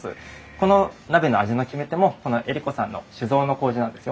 この鍋の味の決め手も栄里子さんの酒造のこうじなんですよ。